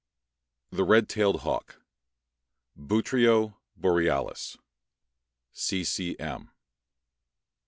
] THE RED TAILED HAWK. (Buteo borealis.) C. C. M.